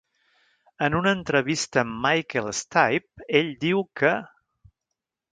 En una entrevista amb Michael Stipe, ell diu que:...